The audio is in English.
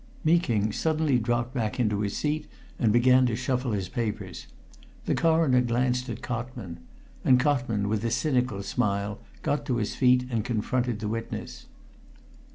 Meeking suddenly dropped back into his seat and began to shuffle his papers. The Coroner glanced at Cotman and Cotman, with a cynical smile, got to his feet and confronted the witness.